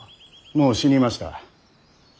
もう死にました。